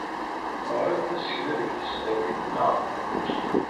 Teɣriḍ tasekla deg tesdawit, naɣ?